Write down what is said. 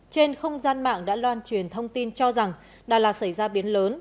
trên không gian mạng đã loan truyền thông tin cho rằng đà lạt xảy ra biến lớn